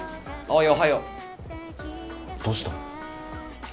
おはようどうした？